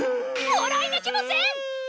もらい泣きもせん！